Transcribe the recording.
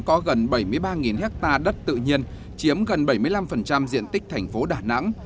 có gần bảy mươi ba ha đất tự nhiên chiếm gần bảy mươi năm diện tích thành phố đà nẵng